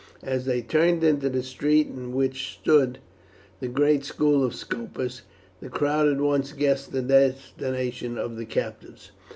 As they turned into the street in which stood the great school of Scopus the crowd at once guessed the destination of the captives.